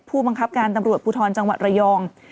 ผู้บังคับการตำรวจภูทรจังหวัดระยอง